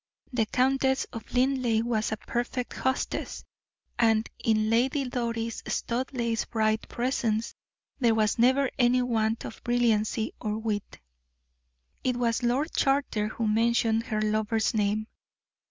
The Countess of Linleigh was a perfect hostess; and in Lady Doris Studleigh's bright presence there was never any want of brilliancy or wit. It was Lord Charter who mentioned her lover's name.